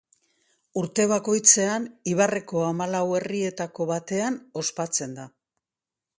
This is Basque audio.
Urte bakoitzean ibarreko hamalau herrietako batean ospatzen da.